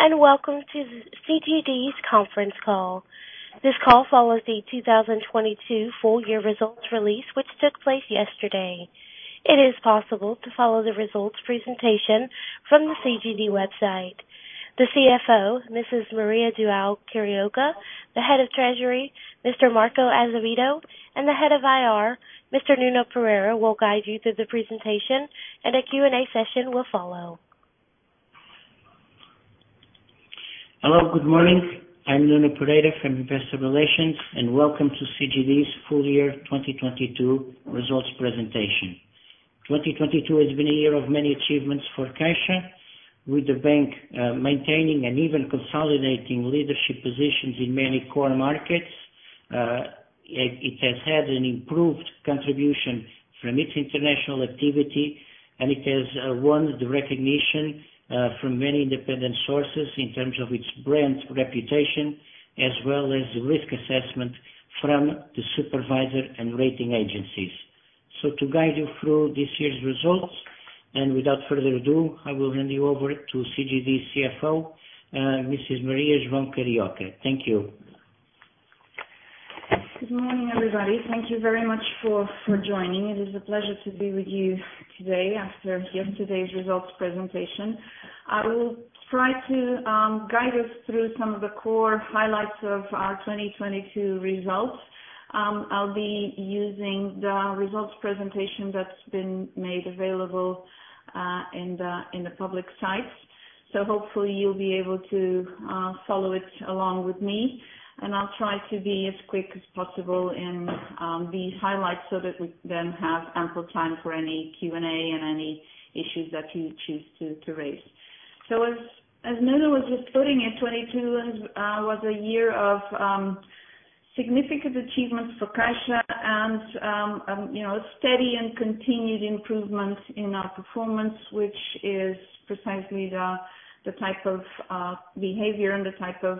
Hello, welcome to CGD's conference call. This call follows the 2022 full year results release, which took place yesterday. It is possible to follow the results presentation from the CGD website. The CFO, Mrs. Maria João Carioca, the Head of Treasury, Mr. Marco Azevedo, and the Head of IR, Mr. Nuno Pereira, will guide you through the presentation and a Q&A session will follow. Hello, good morning. I'm Nuno Pereira from Investor Relations, welcome to CGD's Full Year 2022 Results Presentation. 2022 has been a year of many achievements for Caixa, with the bank maintaining and even consolidating leadership positions in many core markets. It has had an improved contribution from its international activity, it has won the recognition from many independent sources in terms of its brand reputation as well as risk assessment from the supervisor and rating agencies. To guide you through this year's results, without further ado, I will hand you over to CGD CFO, Mrs. Maria João Carioca. Thank you. Good morning, everybody. Thank you very much for joining. It is a pleasure to be with you today after yesterday's results presentation. I will try to guide us through some of the core highlights of our 2022 results. I'll be using the results presentation that's been made available in the public site. Hopefully you'll be able to follow it along with me, and I'll try to be as quick as possible in these highlights so that we then have ample time for any Q&A and any issues that you choose to raise. As Nuno was just putting it, 2022 was a year of significant achievements for Caixa and, you know, steady and continued improvement in our performance, which is precisely the type of behavior and the type of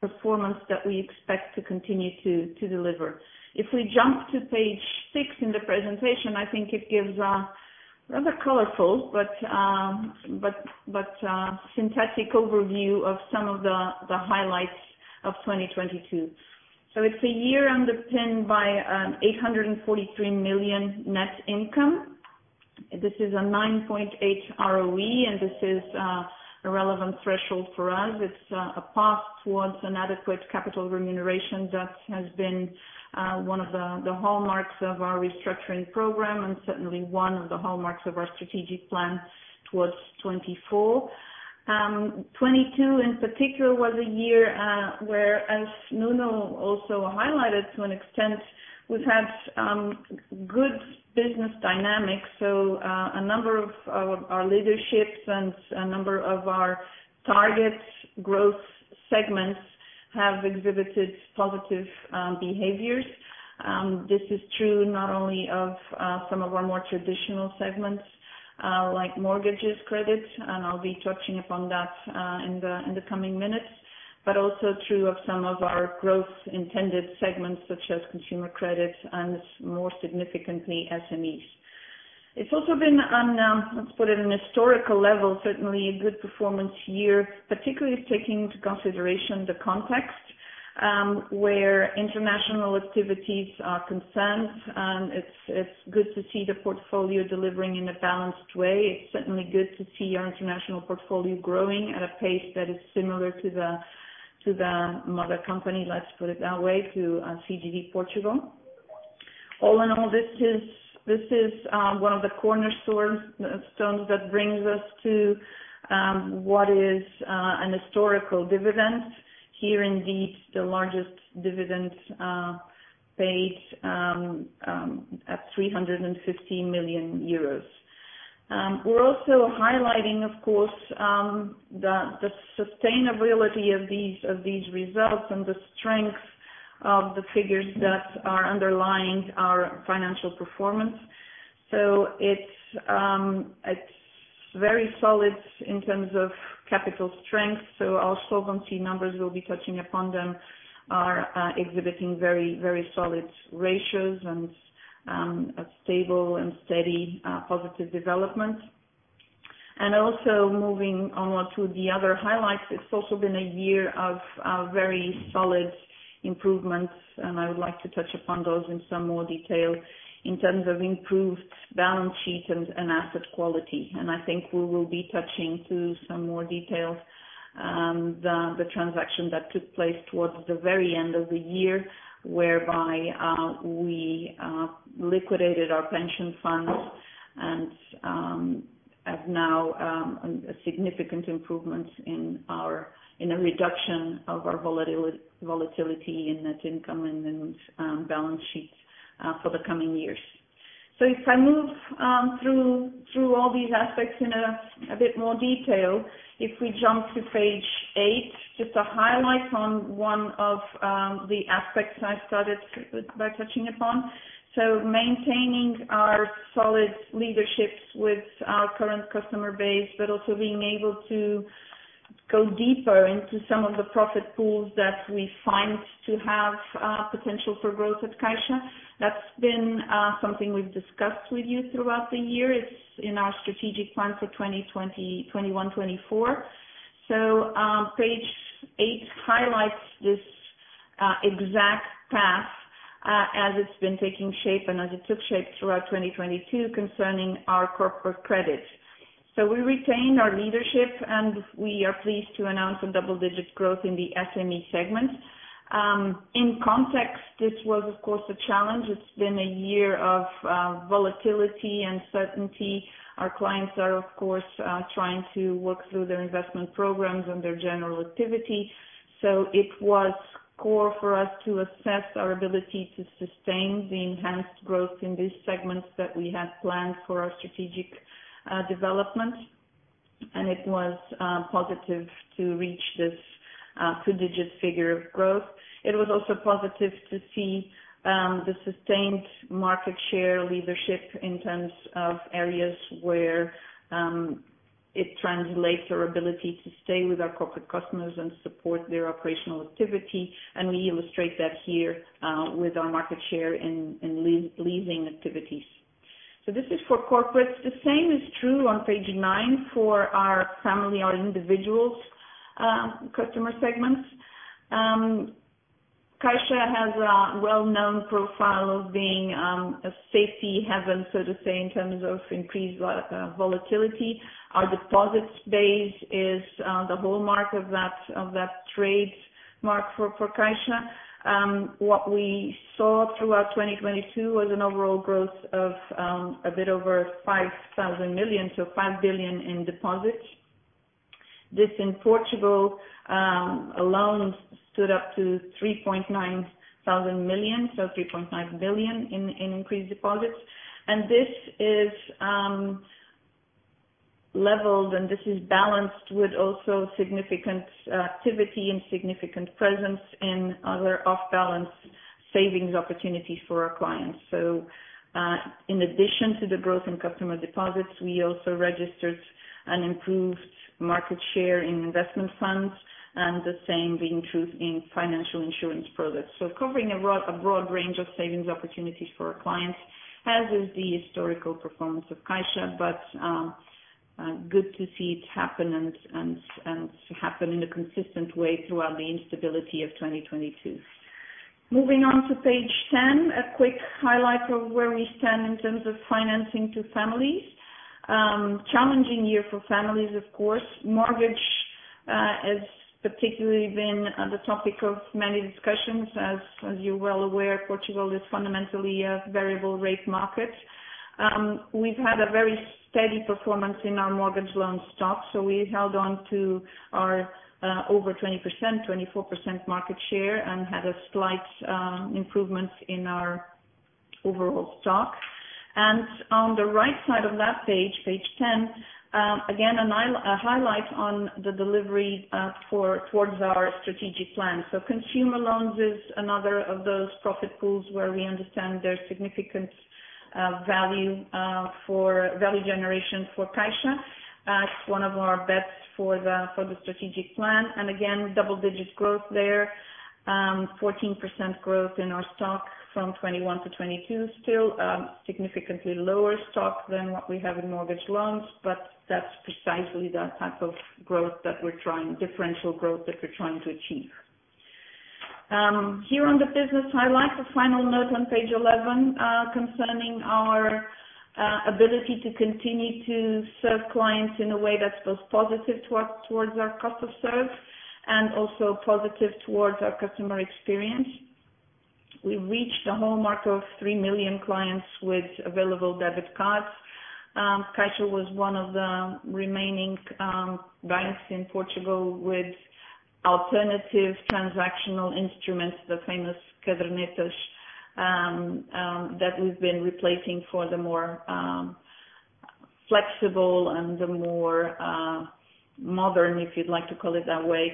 performance that we expect to continue to deliver. If we jump to page six in the presentation, I think it gives a rather colorful, but synthetic overview of some of the highlights of 2022. It's a year underpinned by 843 million net income. This is a 9.8% ROE, and this is a relevant threshold for us. It's a path towards an adequate capital remuneration that has been one of the hallmarks of our restructuring program and certainly one of the hallmarks of our strategic plan towards 2024. 2022 in particular was a year where, as Nuno also highlighted to an extent, we've had good business dynamics. A number of our leaderships and a number of our targets growth segments have exhibited positive behaviors. This is true not only of some of our more traditional segments, like mortgages credits, and I'll be touching upon that in the coming minutes, but also true of some of our growth intended segments such as consumer credit and more significantly SME's. It's also been, an historical level, certainly a good performance year, particularly taking into consideration the context where international activities are concerned, it's good to see the portfolio delivering in a balanced way. It's certainly good to see our international portfolio growing at a pace that is similar to the mother company like to put it that way, to CGD Portugal. All in all, this is one of the cornerstones that brings us to what is an historical dividend. Here indeed, the largest dividend paid at 350 million euros. We're also highlighting, of course, the sustainability of these results and the strength of the figures that are underlying our financial performance. It's very solid in terms of capital strength, so our solvency numbers, we'll be touching upon them, are exhibiting very, very solid ratios and a stable and steady positive development. Also moving on to the other highlights. It's also been a year of very solid improvements, and I would like to touch upon those in some more detail in terms of improved balance sheet and asset quality. I think we will be touching to some more details the transaction that took place towards the very end of the year, whereby we liquidated our pension funds and have now a significant improvement in our, in the reduction of our volatility in net income and in balance sheets for the coming years. If I move through all these aspects in a bit more detail, if we jump to page eight, just to highlight on one of the aspects I started by touching upon. Maintaining our solid leaderships with our current customer base, but also being able to go deeper into some of the profit pools that we find to have potential for growth at Caixa. That's been something we've discussed with you throughout the year. It's in our strategic plan for 2021 to 2024. Page eight highlights this exact path as it's been taking shape and as it took shape throughout 2022 concerning our corporate credit. We retained our leadership, and we are pleased to announce some double-digit growth in the SME segment. In context, this was, of course, a challenge. It's been a year of volatility, uncertainty. Our clients are, of course, trying to work through their investment programs and their general activity. It was core for us to assess our ability to sustain the enhanced growth in these segments that we had planned for our strategic development. It was positive to reach this two-digit figure of growth. It was also positive to see the sustained market share leadership in terms of areas where it translates our ability to stay with our corporate customers and support their operational activity, and we illustrate that here with our market share in leasing activities. This is for corporates. The same is true on page nine for our family, our individuals, customer segments. Caixa has a well-known profile of being a safety haven, so to say, in terms of increased volatility. Our deposits base is the hallmark of that trademark for Caixa. What we saw throughout 2022 was an overall growth of a bit over 5 billion, so 5 billion in deposits. This in Portugal alone stood up to 3.9 billion, so 3.9 billion in increased deposits. This is leveled, and this is balanced with also significant activity and significant presence in other off-balance savings opportunities for our clients. In addition to the growth in customer deposits, we also registered an improved market share in investment funds, and the same being true in financial insurance products. Covering a broad range of savings opportunities for our clients, as is the historical performance of Caixa, good to see it happen and happen in a consistent way throughout the instability of 2022. Moving on to page 10, a quick highlight of where we stand in terms of financing to families. Challenging year for families, of course. Mortgage has particularly been the topic of many discussions. As you're well aware, Portugal is fundamentally a variable rate market. We've had a very steady performance in our mortgage loan stock, so we held on to our over 20%, 24% market share and had a slight improvement in our overall stock. On the right side of that page 10, again, a highlight on the delivery towards our strategic plan. Consumer loans is another of those profit pools where we understand their significant value for value generation for Caixa. It's one of our bets for the strategic plan. Again, double digit growth there. 14% growth in our stock from 2021 to 2022. Still, significantly lower stock than what we have in mortgage loans, but that's precisely the type of differential growth that we're trying to achieve. Here on the business highlight, a final note on page 11, concerning our ability to continue to serve clients in a way that's both positive towards our cost of serve and also positive towards our customer experience. We've reached the hallmark of 3 million clients with available debit cards. Caixa was one of the remaining banks in Portugal with alternative transactional instruments, the famous Cadernetas, that we've been replacing for the more flexible and the more modern, if you'd like to call it that way,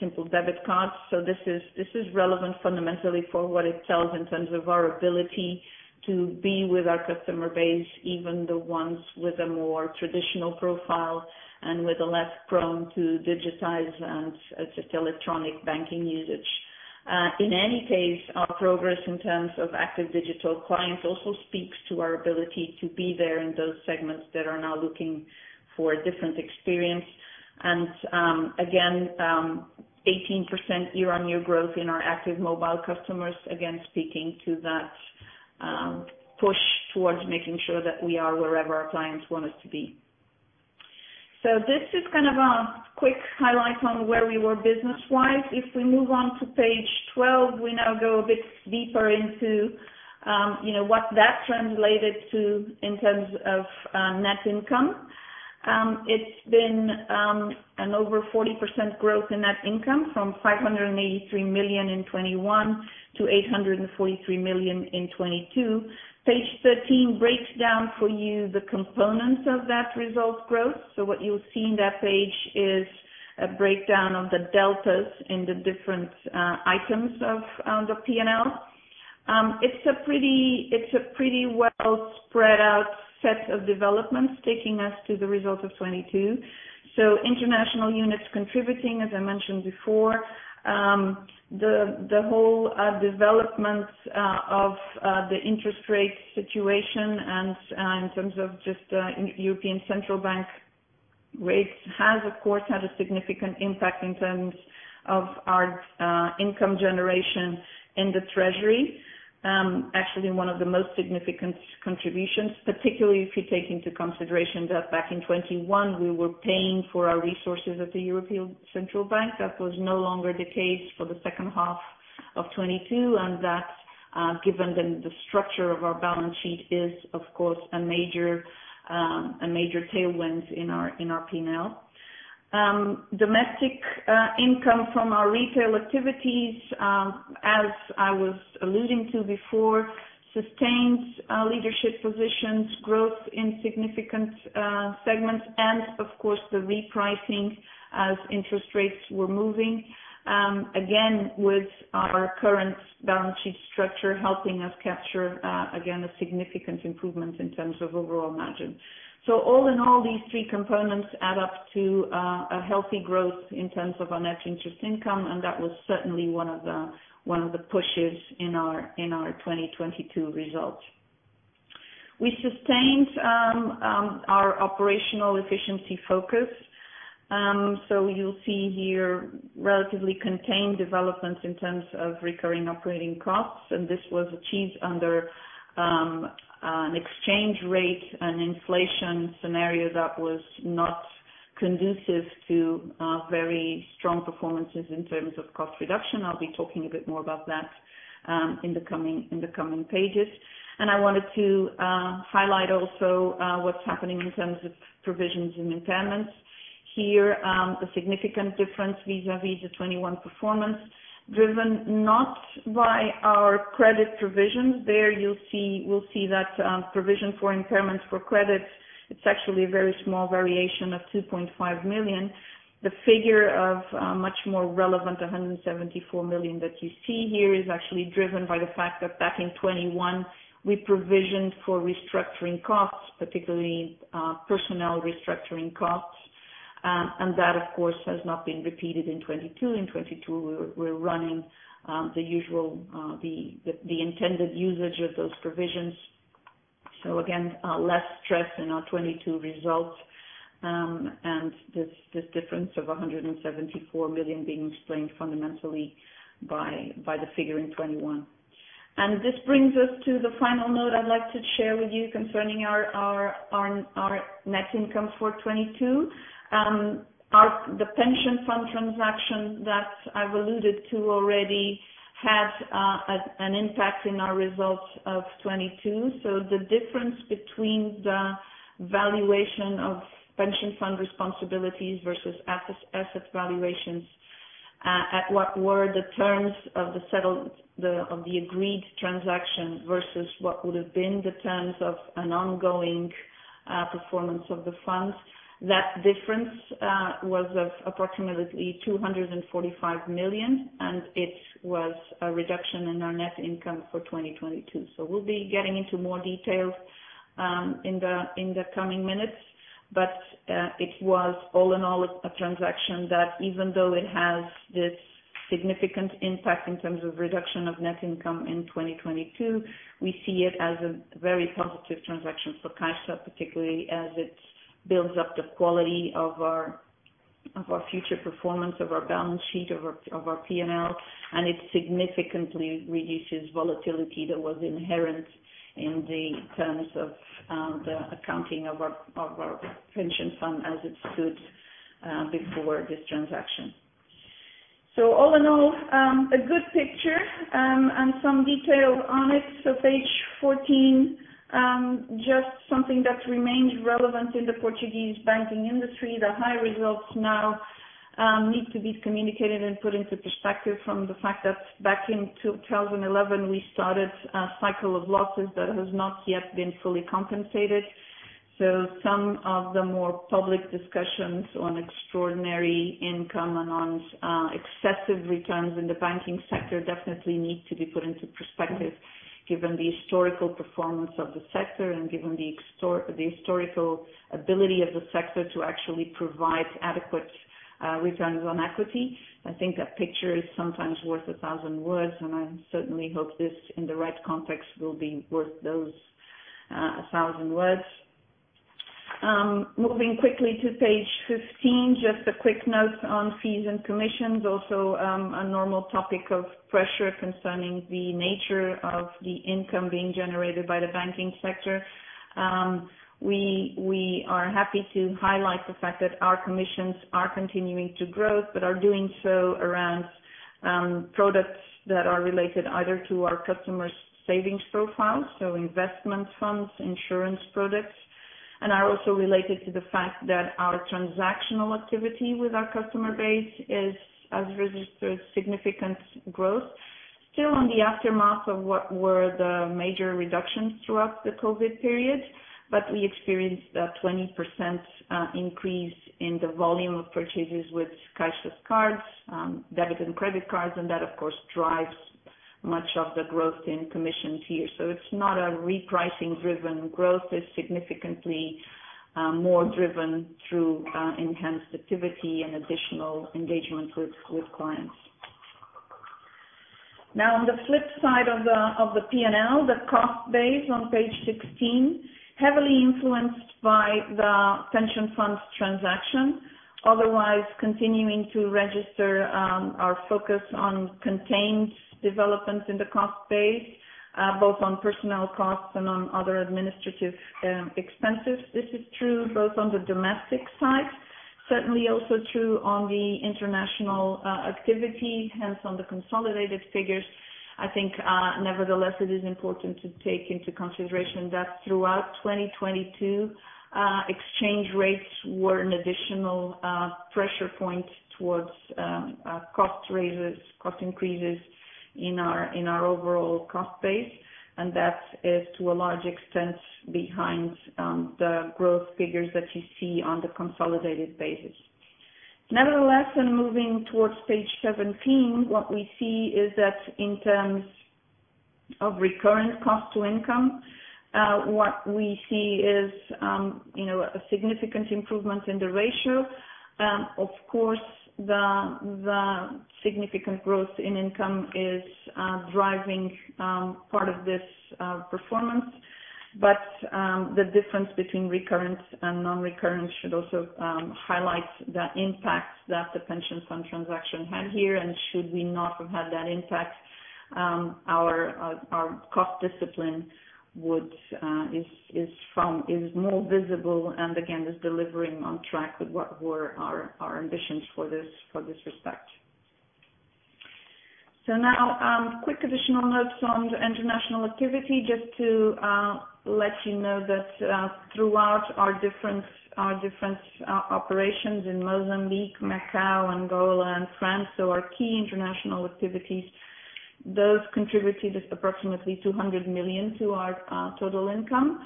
simple debit cards. This is relevant fundamentally for what it tells in terms of our ability to be with our customer base, even the ones with a more traditional profile and with a less prone to digitize and just electronic banking usage. In any case, our progress in terms of active digital clients also speaks to our ability to be there in those segments that are now looking for a different experience. Again, 18% year-on-year growth in our active mobile customers, again, speaking to that push towards making sure that we are wherever our clients want us to be. This is kind of a quick highlight on where we were business-wise. We move on to page 12, we now go a bit deeper into, you know, what that translated to in terms of net income. It's been an over 40% growth in net income from 583 million in 2021 to 843 million in 2022. Page 13 breaks down for you the components of that result growth. What you'll see in that page is a breakdown of the deltas in the different items of the P&L. It's a pretty, it's a pretty well spread out set of developments taking us to the result of 22. International units contributing, as I mentioned before, the whole developments of the interest rate situation and in terms of just European Central Bank rates has of course, had a significant impact in terms of our income generation in the treasury. Actually one of the most significant contributions, particularly if you take into consideration that back in 21 we were paying for our resources at the European Central Bank. That was no longer the case for the second half of 22. That, given the structure of our balance sheet is of course a major, a major tailwind in our P&L. Domestic income from our retail activities, as I was alluding to before, sustained leadership positions, growth in significant segments and of course, the repricing as interest rates were moving, again, with our current balance sheet structure helping us capture, again, a significant improvement in terms of overall margin. All in all, these three components add up to a healthy growth in terms of our net interest income, and that was certainly one of the pushes in our 2022 results. We sustained our operational efficiency focus. You'll see here relatively contained developments in terms of recurring operating costs. This was achieved under an exchange rate and inflation scenario that was not conducive to very strong performances in terms of cost reduction. I'll be talking a bit more about that in the coming pages. I wanted to highlight also what's happening in terms of provisions and impairments. Here, a significant difference vis-à-vis the 2021 performance driven not by our credit provisions. There you'll see that provision for impairments for credits, it's actually a very small variation of 2.5 million. The figure of much more relevant, 174 million that you see here is actually driven by the fact that back in 2021 we provisioned for restructuring costs, particularly personnel restructuring costs. That of course, has not been repeated in 2022. In 2022 we're running the usual, the intended usage of those provisions. Again, less stress in our 2022 results. This difference of 174 million being explained fundamentally by the figure in 2021. This brings us to the final note I'd like to share with you concerning our net income for 2022. The pension fund transaction that I've alluded to already had an impact in our results of 2022. The difference between the valuation of pension fund responsibilities versus asset valuations at what were the terms of the agreed transaction versus what would have been the terms of an ongoing performance of the funds. That difference was of approximately 245 million, and it was a reduction in our net income for 2022. We'll be getting into more detail in the coming minutes. It was all in all a transaction that even though it has this significant impact in terms of reduction of net income in 2022. We see it as a very positive transaction for Caixa, particularly as it builds up the quality of our future performance, of our balance sheet, of our P&L, and it significantly reduces volatility that was inherent in the terms of the accounting of our pension fund as it stood before this transaction. All in all, a good picture, and some detail on it. Page 14, just something that remains relevant in the Portuguese banking industry, the high results now, need to be communicated and put into perspective from the fact that back in 2011, we started a cycle of losses that has not yet been fully compensated. Some of the more public discussions on extraordinary income and on excessive returns in the banking sector definitely need to be put into perspective given the historical performance of the sector and given the historical ability of the sector to actually provide adequate returns on equity. I think a picture is sometimes worth 1,000 words, and I certainly hope this in the right context will be worth those 1,000 words. Moving quickly to page 15, just a quick note on fees and commissions also, a normal topic of pressure concerning the nature of the income being generated by the banking sector. We are happy to highlight the fact that our commissions are continuing to grow but are doing so around products that are related either to our customers savings profiles, so investment funds, insurance products, and are also related to the fact that our transactional activity with our customer base has registered significant growth. Still on the aftermath of what were the major reductions throughout the COVID period. We experienced a 20% increase in the volume of purchases with Caixa's cards, debit and credit cards. That, of course drives, much of the growth in commissions here, so it's not a repricing driven growth, it's significantly more driven through enhanced activity and additional engagement with clients. Now, on the flip side of the P&L, the cost base on page 16, heavily influenced by the pension funds transaction. Otherwise continuing to register our focus on contained developments in the cost base, both on personnel costs and on other administrative expenses. This is true both on the domestic side, certainly also true on the international activity, hence on the consolidated figures. I think, nevertheless it is important to take into consideration that throughout 2022, exchange rates were an additional pressure point towards cost raises, cost increases in our overall cost base, and that is to a large extent behind the growth figures that you see on the consolidated basis. Nevertheless, moving towards page 17, what we see is that in terms of recurrent cost to income, what we see is, you know, a significant improvement in the ratio. Of course, the significant growth in income is driving part of this performance. The difference between recurrent and non-recurrent should also highlight the impact that the pension fund transaction had here. Should we not have had that impact, our cost discipline would is more visible and again, is delivering on track with what were our ambitions for this, for this respect. Now, quick additional notes on the international activity, just to let you know that throughout our different operations in Mozambique, Macau, Angola and France. Our key international activities, those contributed approximately 200 million to our total income.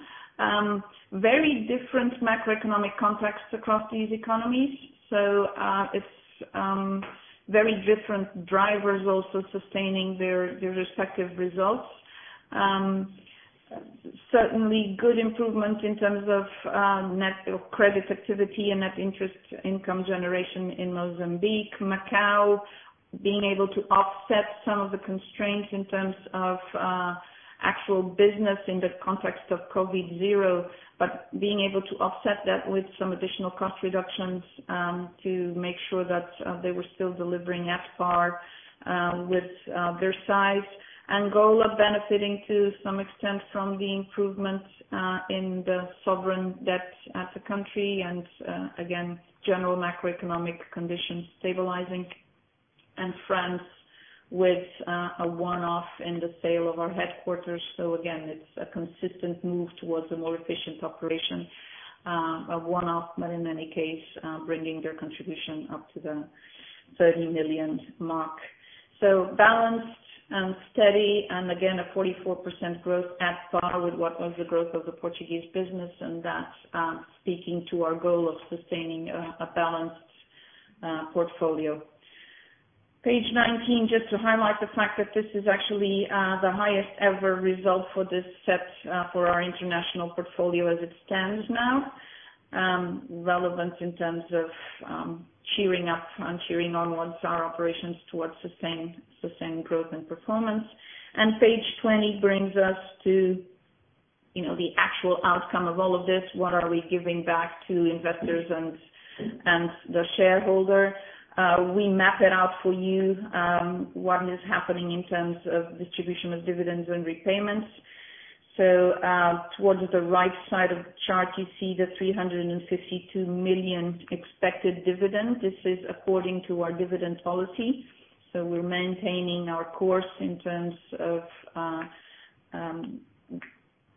Very different macroeconomic context across these economies. It's very different drivers also sustaining their respective results. Certainly good improvement in terms of net or credit activity and net interest income generation in Mozambique. Macau being able to offset some of the constraints in terms of actual business in the context of COVID zero, but being able to offset that with some additional cost reductions, to make sure that they were still delivering at par with their size. Angola benefiting to some extent from the improvements in the sovereign debt at the country and again, general macroeconomic conditions stabilizing. France with a one-off in the sale of our headquarters. Again, it's a consistent move towards a more efficient operation. A one-off, but in any case, bringing their contribution up to the 30 million mark. Balanced and steady and again, a 44% growth at par with what was the growth of the Portuguese business, and that's speaking to our goal of sustaining a balanced portfolio. Page 19, just to highlight the fact that this is actually the highest ever result for this set for our international portfolio as it stands now. Relevant in terms of cheering up and cheering onwards our operations towards sustained growth and performance. Page 20 brings us to, you know, the actual outcome of all of this. What are we giving back to investors and the shareholder? We map it out for you what is happening in terms of distribution of dividends and repayments. Towards the right side of the chart, you see the 352 million expected dividend. This is according to our dividend policy. We're maintaining our course in terms of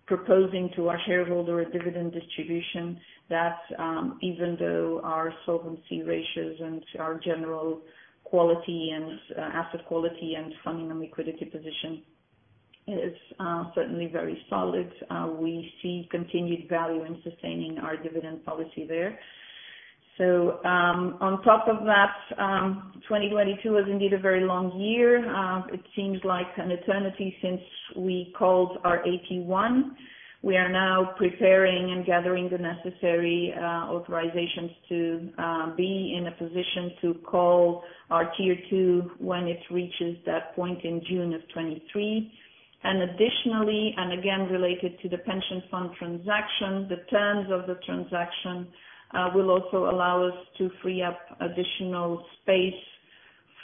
proposing to our shareholder a dividend distribution. That's even though our solvency ratios and our general quality and asset quality and funding and liquidity position is certainly very solid, we see continued value in sustaining our dividend policy there. On top of that, 2022 was indeed a very long year. It seems like an eternity since we called our AT1. We are now preparing and gathering the necessary authorizations to be in a position to call our Tier 2 when it reaches that point in June of 2023. Additionally, and again related to the pension fund transaction, the terms of the transaction will also allow us to free up additional space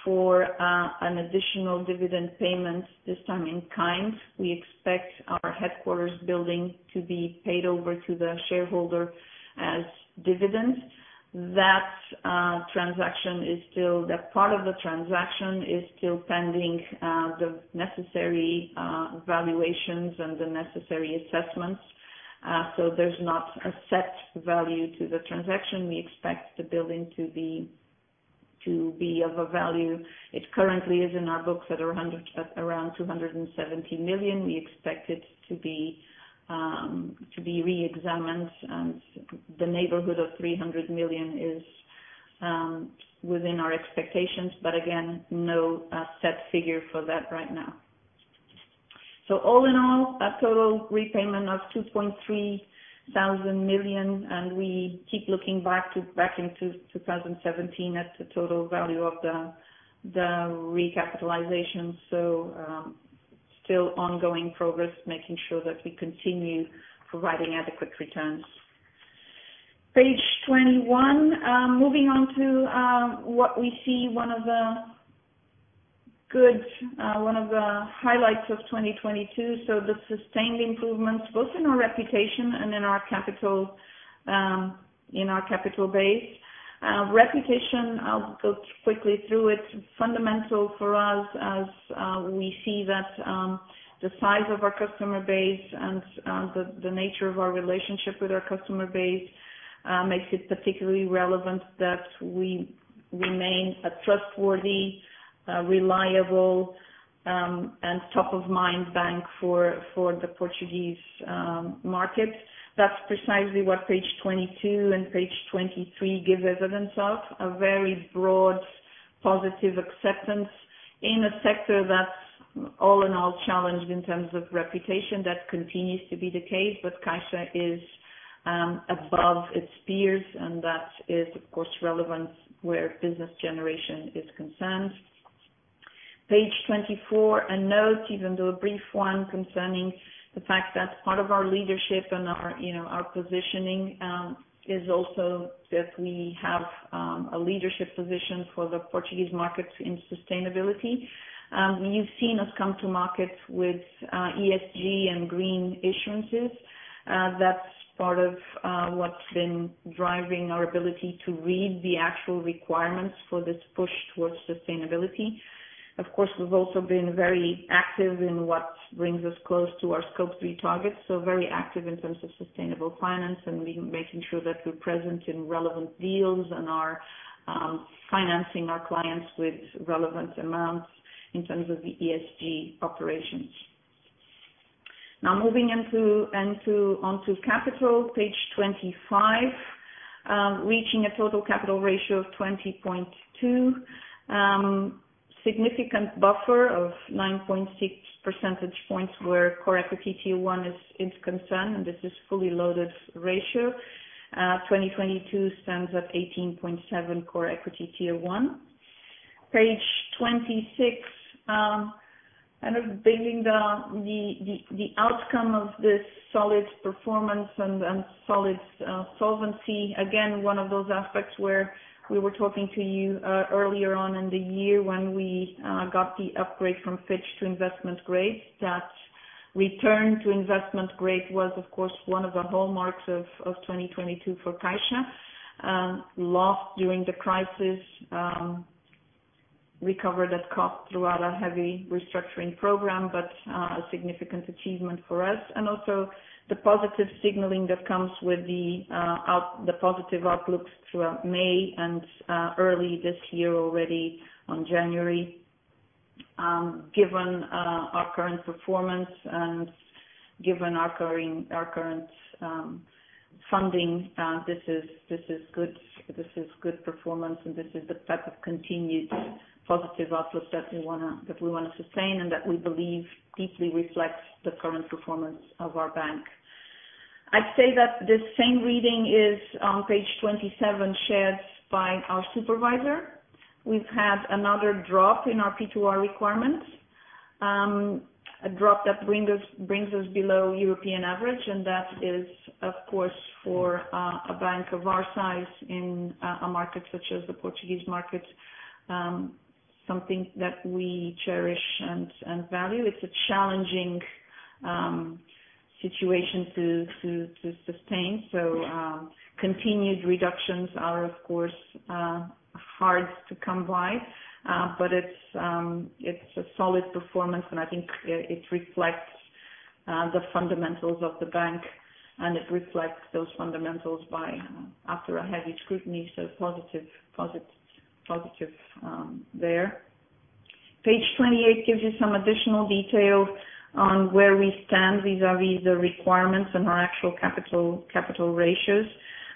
for an additional dividend payment, this time in kind. We expect our headquarters building to be paid over to the shareholder as dividends. That transaction is still... That part of the transaction is still pending the necessary valuations and the necessary assessments. There's not a set value to the transaction. We expect the building to be of a value. It currently is in our books at around 270 million. We expect it to be reexamined and the neighborhood of 300 million is within our expectations, but again, no set figure for that right now. All in all, a total repayment of 2.3 billion, and we keep looking into 2017. That's the total value of the recapitalization. Still ongoing progress, making sure that we continue providing adequate returns. Page 21, moving on to what we see one of the good, one of the highlights of 2022, the sustained improvements both in our reputation and in our capital, in our capital base. Reputation, I'll go quickly through. It's fundamental for us as we see that the size of our customer base and the nature of our relationship with our customer base makes it particularly relevant that we remain a trustworthy, reliable, and top of mind bank for the Portuguese market. That's precisely what page 22 and page 23 give evidence of, a very broad positive acceptance in a sector that's all in all challenged in terms of reputation. That continues to be the case. Caixa is above its peers, and that is of course relevant where business generation is concerned. Page 24, a note, even though a brief one, concerning the fact that part of our leadership and our, you know, our positioning, is also that we have a leadership position for the Portuguese markets in sustainability. You've seen us come to market with ESG and green issuances. That's part of what's been driving our ability to read the actual requirements for this push towards sustainability. Of course, we've also been very active in what brings us close to our Scope 3 targets, so very active in terms of sustainable finance and making sure that we're present in relevant deals and are financing our clients with relevant amounts in terms of the ESG operations. Now moving onto capital, page 25, reaching a total capital ratio of 20.2%. Significant buffer of 9.6 percentage points where Core Equity Tier 1 is concerned. This is fully loaded ratio. 2022 stands at 18.7 Core Equity Tier 1. Page 26, kind of bringing the outcome of this solid performance and solid solvency. Again, one of those aspects where we were talking to you earlier on in the year when we got the upgrade from Fitch to investment grade. That return to investment grade was, of course, one of the hallmarks of 2022 for Caixa. Lost during the crisis, recovered at cost throughout a heavy restructuring program, but a significant achievement for us. Also the positive signaling that comes with the positive outlooks throughout May and early this year already on January. Given our current performance and given our current funding, this is good performance, and this is the type of continued positive outlook that we wanna sustain and that we believe deeply reflects the current performance of our bank. I'd say that the same reading is on page 27, shared by our supervisor. We've had another drop in our P2R requirements, a drop that brings us below European average, and that is, of course, for a bank of our size in a market such as the Portuguese market, something that we cherish and value. It's a challenging situation to sustain. Continued reductions are of course hard to come by, but it's a solid performance, and I think it reflects the fundamentals of the bank, and it reflects those fundamentals after a heavy scrutiny. Positive, positive there. Page 28 gives you some additional detail on where we stand vis-à-vis the requirements and our actual capital ratios.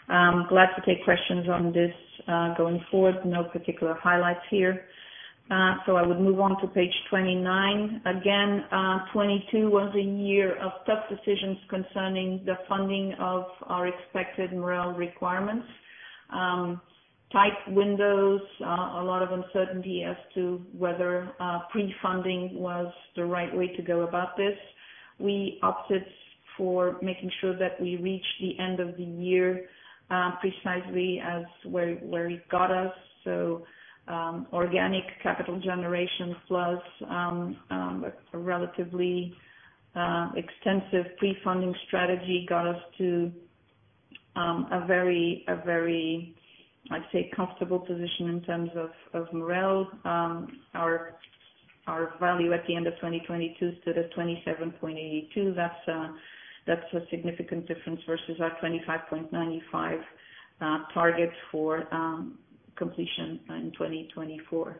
I'm glad to take questions on this going forward. No particular highlights here. I would move on to page 29. Again, 2022 was a year of tough decisions concerning the funding of our expected MREL requirements. Tight windows, a lot of uncertainty as to whether pre-funding was the right way to go about this. We opted for making sure that we reach the end of the year precisely as where it got us. Organic capital generation plus a relatively extensive pre-funding strategy got us to a very comfortable position in terms of MREL. Our value at the end of 2022 stood at 27.82%. That's a significant difference versus our 25.95% target for completion in 2024.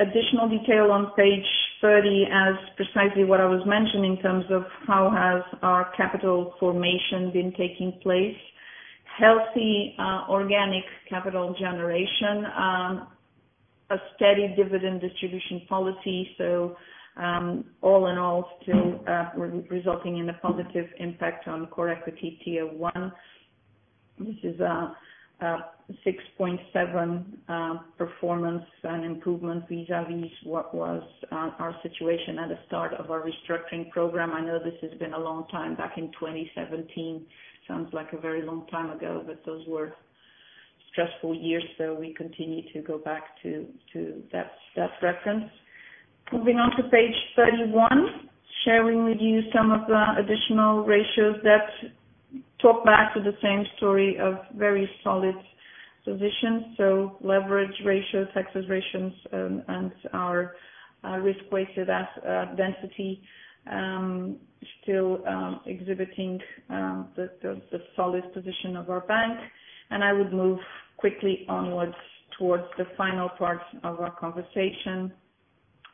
Additional detail on page 30 as precisely what I was mentioning in terms of how has our capital formation been taking place. Healthy organic capital generation, a steady dividend distribution policy. All in all, still resulting in a positive impact on Core Equity Tier 1. This is a 6.7 performance and improvement vis-à-vis what was our situation at the start of our restructuring program. I know this has been a long time back in 2017. Sounds like a very long time ago. Those were stressful years, we continue to go back to that reference. Moving on to page 31, sharing with you some of the additional ratios that talk back to the same story of very solid position. Leverage ratios, access ratios, and our risk-weighted density still exhibiting the solid position of our bank. I would move quickly onwards towards the final part of our conversation.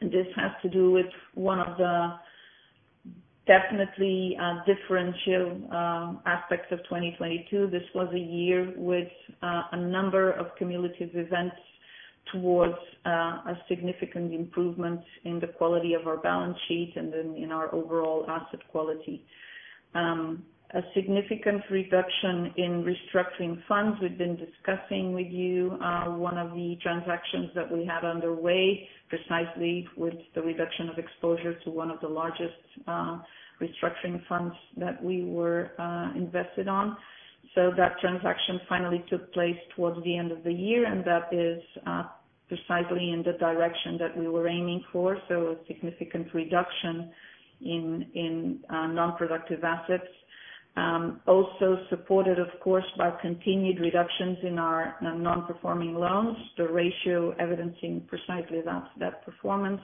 This has to do with one of the definitely differential aspects of 2022. This was a year with a number of cumulative events towards a significant improvement in the quality of our balance sheet and then in our overall asset quality. A significant reduction in restructuring funds. We've been discussing with you, one of the transactions that we had underway, precisely with the reduction of exposure to one of the largest restructuring funds that we were invested on. That transaction finally took place towards the end of the year, and that is precisely in the direction that we were aiming for. A significant reduction in non-productive assets. Also supported, of course, by continued reductions in our non-performing loans, the ratio evidencing precisely that performance.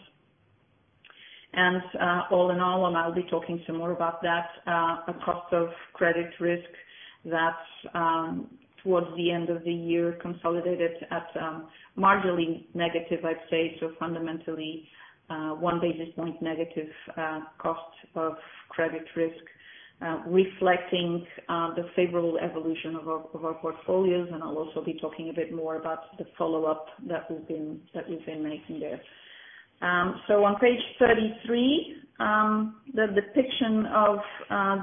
All in all, and I'll be talking some more about that, a cost of credit risk that towards the end of the year, consolidated at marginally negative, I'd say. Fundamentally, 1 basis point negative cost of credit risk reflecting the favorable evolution of our portfolios. I'll also be talking a bit more about the follow-up that we've been making there. On page 33, the depiction of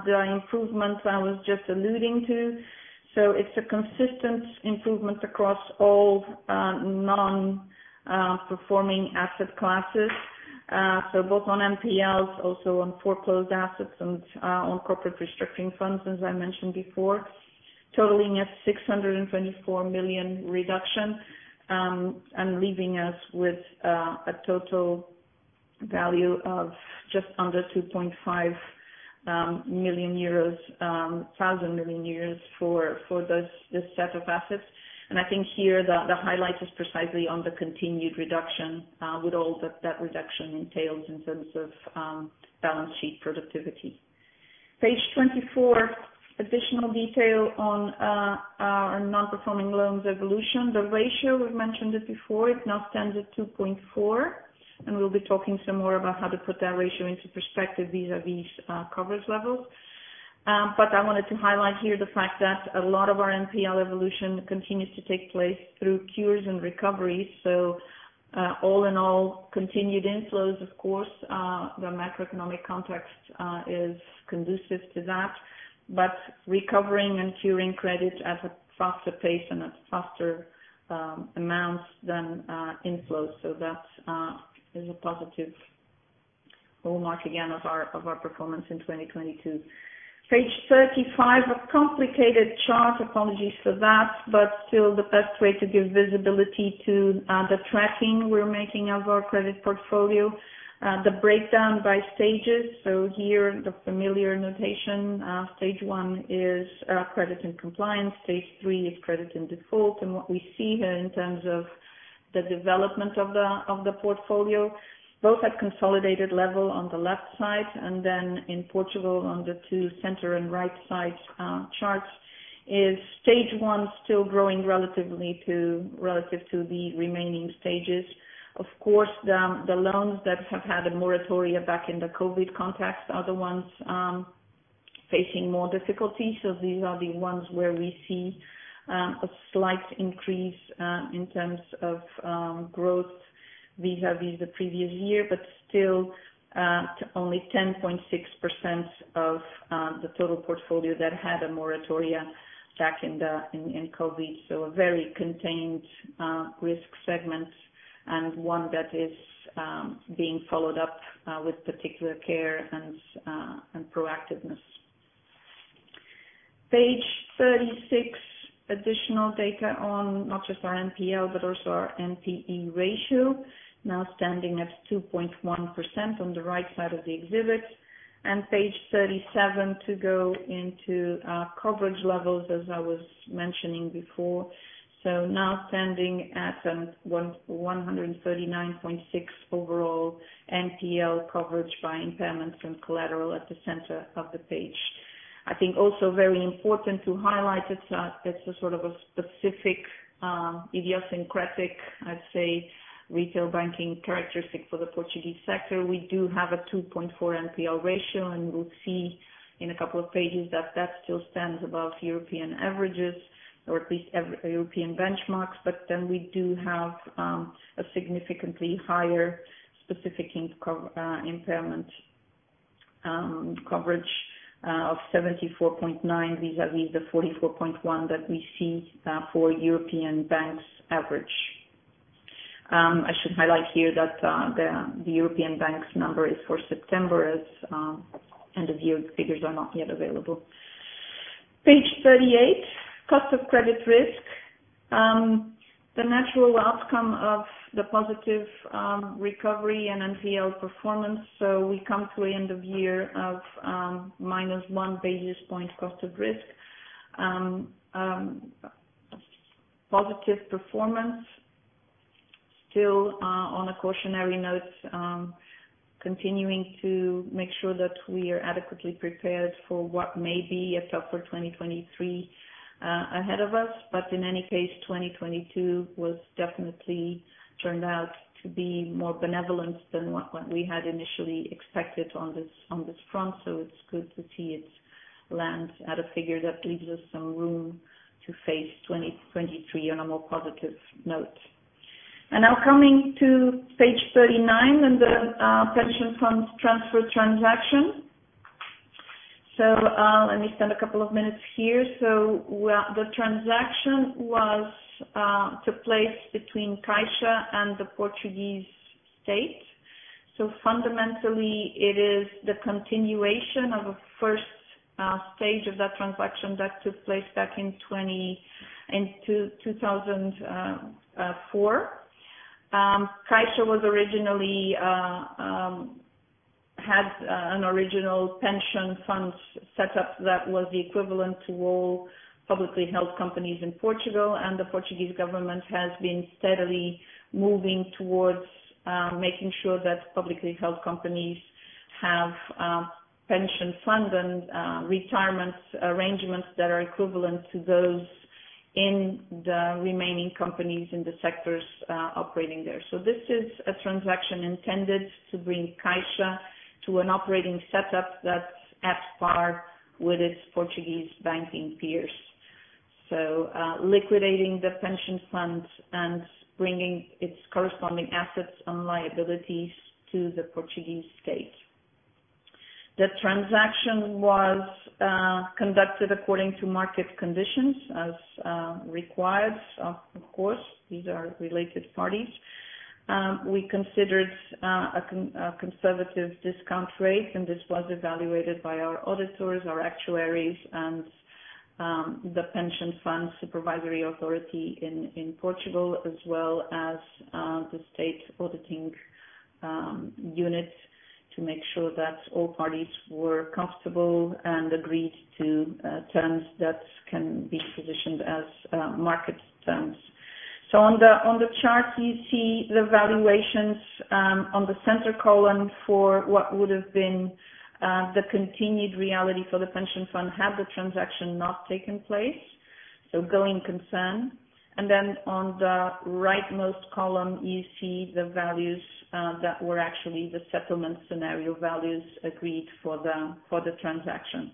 the improvement I was just alluding to. It's a consistent improvement across all non-performing asset classes. Both on NPLs, also on foreclosed assets and on corporate restructuring funds, as I mentioned before, totaling at 624 million reduction, and leaving us with a total value of just under 2.5 million thousand million euros EUR for this set of assets. I think here the highlight is precisely on the continued reduction, with all that reduction entails in terms of balance sheet productivity. Page 24, additional detail on our non-performing loans evolution. The ratio, we've mentioned it before, it now stands at 2.4%, and we'll be talking some more about how to put that ratio into perspective vis-à-vis coverage levels. I wanted to highlight here the fact that a lot of our NPL evolution continues to take place through cures and recoveries. All in all, continued inflows, of course. The macroeconomic context is conducive to that. Recovering and curing credit at a faster pace and at faster amounts than inflows. That's a positive hallmark again of our performance in 2022. Page 35, a complicated chart. Apologies for that. Still the best way to give visibility to the tracking we're making of our credit portfolio. The breakdown by stages. Here, the familiar notation, Stage 1 is credit and compliance. Stage 3 is credit and default. What we see here in terms of the development of the portfolio, both at consolidated level on the left side and then in Portugal on the two center and right side charts, is Stage 1 still growing relative to the remaining stages. Of course, the loans that have had a moratoria back in the COVID context are the ones facing more difficulty. These are the ones where we see a slight increase in terms of growth vis-à-vis the previous year, but still only 10.6% of the total portfolio that had a moratoria back in COVID. A very contained risk segment and one that is being followed up with particular care and proactiveness. Page 36, additional data on not just our NPL, but also our NPE ratio, now standing at 2.1% on the right side of the exhibit. Page 37 to go into coverage levels as I was mentioning before. Standing at 139.6 overall NPL coverage by impairment from collateral at the center of the page. I think also very important to highlight, it's a, it's a sort of a specific, idiosyncratic, I'd say, retail banking characteristic for the Portuguese sector. We do have a 2.4 NPL ratio, and we'll see in a couple of pages that that still stands above European averages, or at least European benchmarks. We do have a significantly higher specific impairment coverage of 74.9 vis-à-vis the 44.1 that we see for European banks average. I should highlight here that the European banks number is for September as end of year figures are not yet available. Page 38, cost of credit risk. The natural outcome of the positive recovery and NPL performance, we come to end of year of minus 1 basis point cost of risk. Positive performance still on a cautionary note, continuing to make sure that we are adequately prepared for what may be a tougher 2023 ahead of us. In any case, 2022 was definitely turned out to be more benevolent than what we had initially expected on this, on this front. It's good to see it land at a figure that leaves us some room to face 2023 on a more positive note. Now coming to page 39 and the pension funds transfer transaction. Let me spend a couple of minutes here. Well, the transaction took place between Caixa and the Portuguese state. Fundamentally, it is the continuation of a first stage of that transaction that took place back in 2004. Caixa was originally had an original pension fund set up that was the equivalent to all publicly held companies in Portugal. The Portuguese government has been steadily moving towards making sure that publicly held companies have pension fund and retirement arrangements that are equivalent to those in the remaining companies in the sectors operating there. This is a transaction intended to bring Caixa to an operating setup that's at par with its Portuguese banking peers. Liquidating the pension funds and bringing its corresponding assets and liabilities to the Portuguese state. The transaction was conducted according to market conditions as required. Of course, these are related parties. We considered a conservative discount rate, and this was evaluated by our auditors, our actuaries, and the pension fund supervisory authority in Portugal, as well as the state auditing unit, to make sure that all parties were comfortable and agreed to terms that can be positioned as market terms. On the chart, you see the valuations on the center column for what would have been the continued reality for the pension fund had the transaction not taken place, so going concern. On the rightmost column, you see the values that were actually the settlement scenario values agreed for the transaction.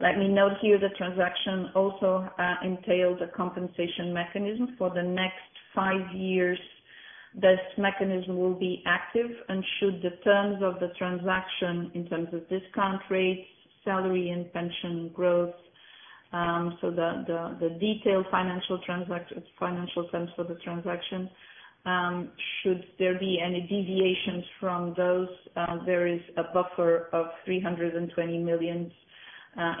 Let me note here the transaction also entailed a compensation mechanism. For the next five years, this mechanism will be active and should the terms of the transaction in terms of discount rates, salary and pension growth, so the detailed financial terms for the transaction, should there be any deviations from those, there is a buffer of 320 million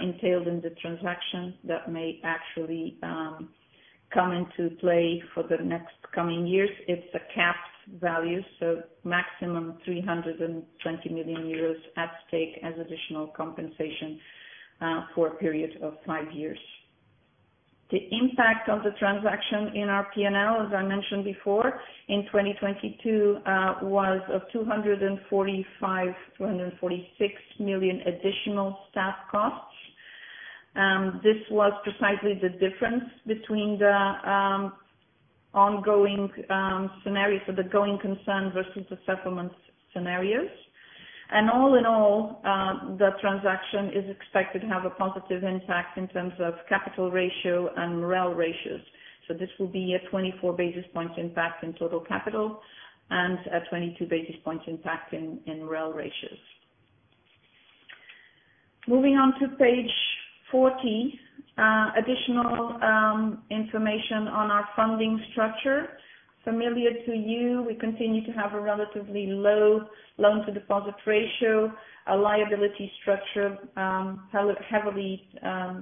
entailed in the transaction that may actually come into play for the next coming years. It's a capped value, so maximum 320 million euros at stake as additional compensation for a period of five years. The impact of the transaction in our P&L, as I mentioned before, in 2022 was of 245 million-246 million additional staff costs. This was precisely the difference between the ongoing scenario for the going concern versus the settlement scenarios. All in all, the transaction is expected to have a positive impact in terms of capital ratio and REL ratios. This will be a 24 basis points impact in total capital and a 22 basis points impact in REL ratios. Moving on to page 40, additional information on our funding structure. Familiar to you, we continue to have a relatively low loan-to-deposit ratio, a liability structure heavily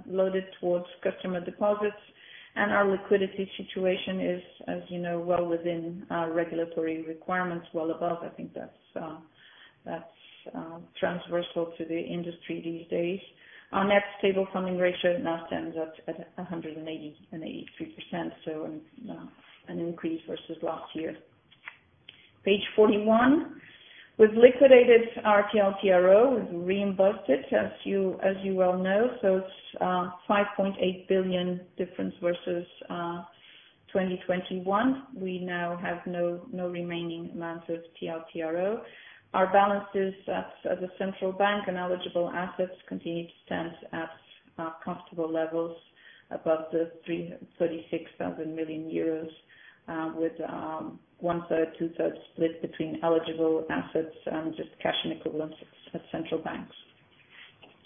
loaded towards customer deposits. Our liquidity situation is, as you know, well within our regulatory requirements, well above. I think that's transversal to the industry these days. Our Net Stable Funding Ratio now stands at 183%, so an increase versus last year. Page 41. We've liquidated our TLTRO. We've reimbursed it, as you well know. It's 5.8 billion difference versus 2021. We now have no remaining amounts of TLTRO. Our balances as a central bank and eligible assets continue to stand at comfortable levels above 336 billion euros, with 1/3, 2/3 split between eligible assets and just cash and equivalents at central banks.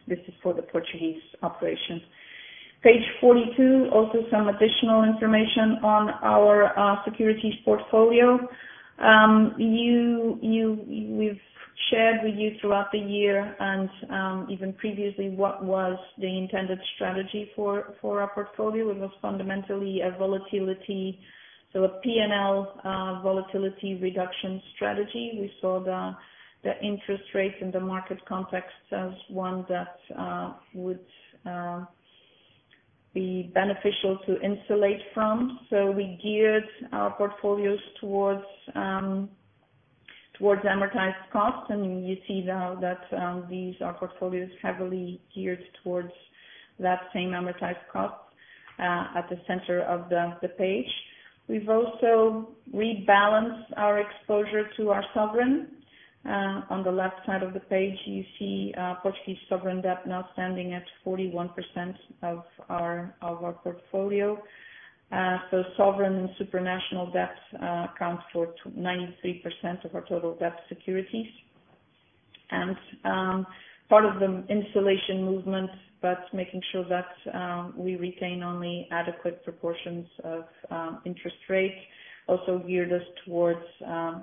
This is for the Portuguese operations. Page 42, also some additional information on our securities portfolio. We've shared with you throughout the year and, even previously, what was the intended strategy for our portfolio. It was fundamentally a volatility. A P&L volatility reduction strategy. We saw the interest rates in the market context as one that would be beneficial to insulate from. We geared our portfolios towards amortized costs. You see now that these are portfolios heavily geared towards that same amortized cost at the center of the page. We've also rebalanced our exposure to our sovereign. On the left side of the page, you see Portuguese sovereign debt now standing at 41% of our portfolio. Sovereign and supranational debt accounts for 93% of our total debt securities. Part of the insulation movement, making sure that we retain only adequate proportions of interest rates, also geared us towards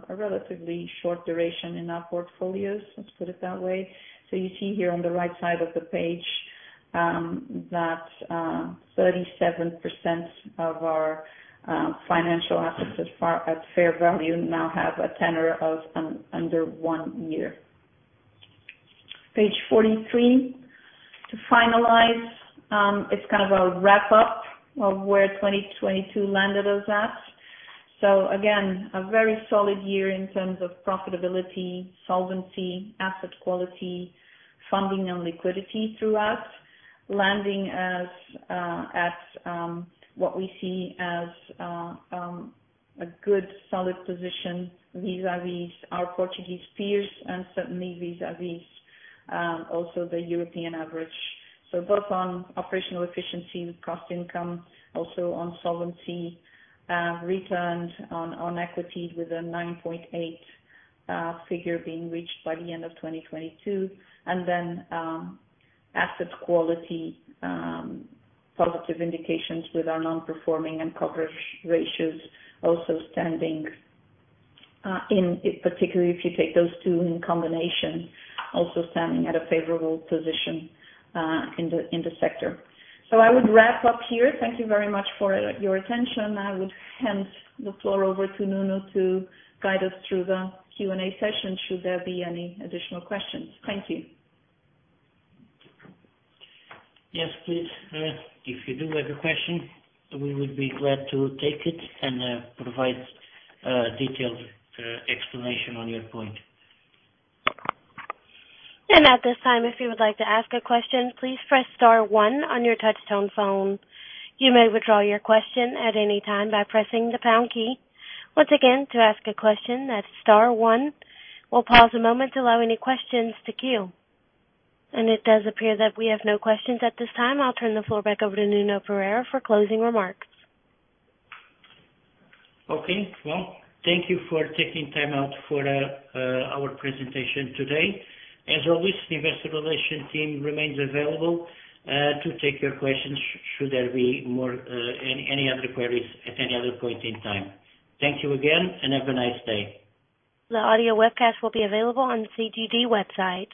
a relatively short duration in our portfolios, let's put it that way. You see here on the right side of the page that 37% of our financial assets at fair value now have a tenor of under one year. Page 43. To finalize, it's kind of a wrap up of where 2022 landed us at. Again, a very solid year in terms of profitability, solvency, asset quality, funding and liquidity throughout. Landing at what we see as a good solid position vis-à-vis our Portuguese peers and certainly vis-à-vis also the European average. Both on operational efficiency with cost income, also on solvency, returns on equity with a 9.8 figure being reached by the end of 2022. Then, asset quality, positive indications with our non-performing and coverage ratios also standing, in particularly if you take those two in combination, also standing at a favorable position in the sector. I would wrap up here. Thank you very much for your attention. I would hand the floor over to Nuno to guide us through the Q&A session, should there be any additional questions. Thank you. Yes, please. If you do have a question, we would be glad to take it and provide detailed explanation on your point. At this time, if you would like to ask a question, please press star one on your touch tone phone. You may withdraw your question at any time by pressing the pound key. Once again, to ask a question, that's star one. We'll pause a moment to allow any questions to queue. It does appear that we have no questions at this time. I'll turn the floor back over to Nuno Pereira for closing remarks. Okay. Well, thank you for taking time out for our presentation today. As always, the Investor Relations team remains available to take your questions should there be more any other queries at any other point in time. Thank you again, and have a nice day. The audio webcast will be available on the CGD website.